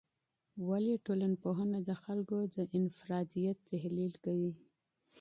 ولي ټولنپوهنه د خلګو د انفرادیت تحلیل کوي؟